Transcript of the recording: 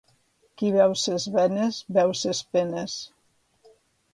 Qui veu ses venes veu ses penes.